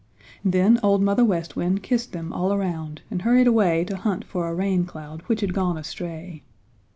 Then Old Mother West Wind kissed them all around and hurried away to hunt for a rain cloud which had gone astray.